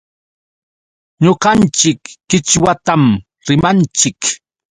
Ñuqanchik qichwatam rimanchik.